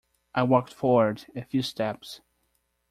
I walked forward a few steps.